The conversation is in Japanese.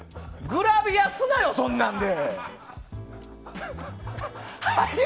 グラビアすなよ、そんなんで！